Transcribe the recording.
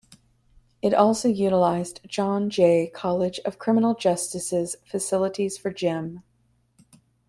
It also utilized John Jay College of Criminal Justice's facilities for gym.